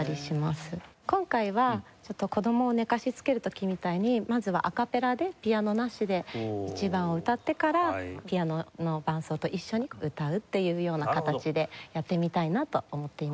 今回はちょっと子供を寝かしつける時みたいにまずはアカペラでピアノなしで１番を歌ってからピアノの伴奏と一緒に歌うっていうような形でやってみたいなと思っています。